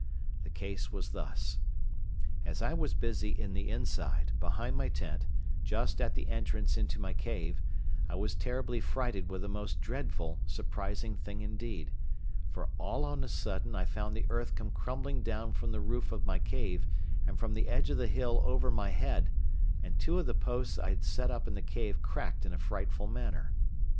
The case was thus: As I was busy in the inside, behind my tent, just at the entrance into my cave, I was terribly frighted with a most dreadful, surprising thing indeed; for all on a sudden I found the earth come crumbling down from the roof of my cave, and from the edge of the hill over my head, and two of the posts I had set up in the cave cracked in a frightful manner.